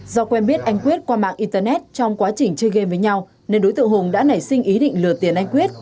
do quen biết anh quyết qua mạng internet trong quá trình chơi game với nhau nên đối tượng hùng đã nảy sinh ý định lừa tiền anh quyết